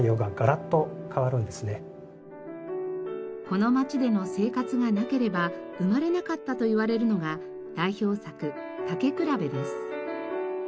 この町での生活がなければ生まれなかったといわれるのが代表作『たけくらべ』です。